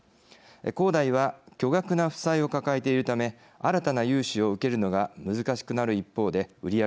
恒大は巨額な負債を抱えているため新たな融資を受けるのが難しくなる一方で売り上げも減少。